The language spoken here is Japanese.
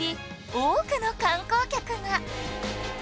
多くの観光客が！